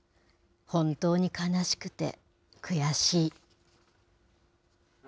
本当に悲しくて、悔しい。